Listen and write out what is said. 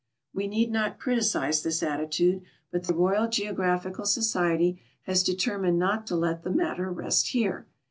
We need not criticise this attitude ; Init the Royal Geographical Society has determined not to let the matter rest here.